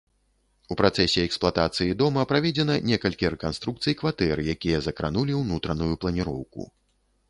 У працэсе эксплуатацыі дома праведзена некалькі рэканструкцый кватэр, якія закранулі ўнутраную планіроўку.